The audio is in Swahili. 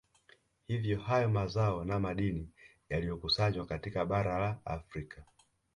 Hivyo hayo mazao na madini yaliyokusanywa katika bara la Afrika